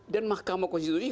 dan mahkamah konstitusi